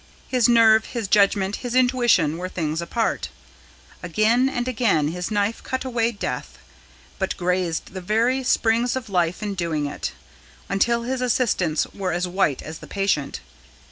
His nerve, his judgement, his intuition, were things apart. Again and again his knife cut away death, but grazed the very springs of life in doing it, until his assistants were as white as the patient.